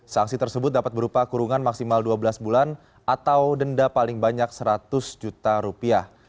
sanksi tersebut dapat berupa kurungan maksimal dua belas bulan atau denda paling banyak seratus juta rupiah